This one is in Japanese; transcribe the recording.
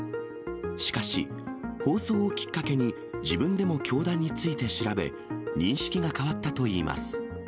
しかし、放送をきっかけに、自分でも教団について調べ、認識が変わったといいます。